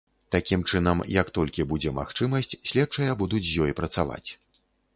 Такім чынам, як толькі будзе магчымасць, следчыя будуць з ёй працаваць.